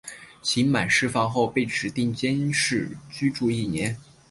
刑满释放后被指定监视居住一年。